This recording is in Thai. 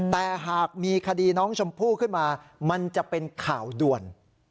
แต่หากมีคดีน้องชมพู่ขึ้นมามันจะเป็นข่าวด่วน